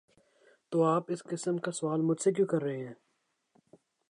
‘‘''تو آپ اس قسم کا سوال مجھ سے کیوں کر رہے ہیں؟